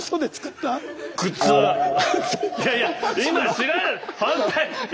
いやいや今知らないよ。